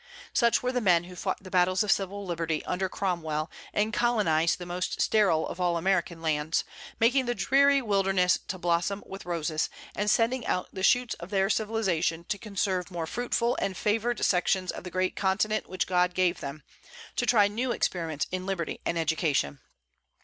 Such were the men who fought the battles of civil liberty under Cromwell and colonized the most sterile of all American lands, making the dreary wilderness to blossom with roses, and sending out the shoots of their civilization to conserve more fruitful and favored sections of the great continent which God gave them, to try new experiments in liberty and education.